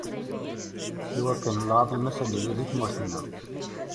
Iwakken lɛaḍima-s ad tili di tmurt-nneɣ.